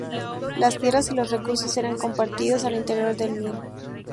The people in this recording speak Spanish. Las tierras y los recursos eran compartidos al interior del "mir".